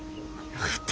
よかった。